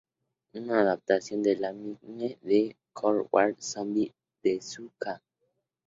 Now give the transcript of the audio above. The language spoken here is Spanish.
Una adaptación al anime de "Kore wa Zombie Desu ka?